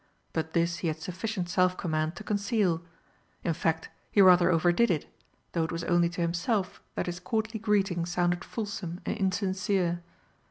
But this he had sufficient self command to conceal. In fact, he rather overdid it, though it was only to himself that his courtly greeting sounded fulsome and insincere.